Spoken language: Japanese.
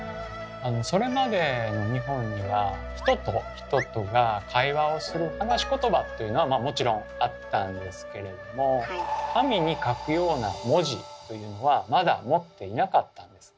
それまでの日本には人と人が会話をする「話しことば」っていうのはまあもちろんあったんですけれども紙に書くような文字というのはまだ持っていなかったんです。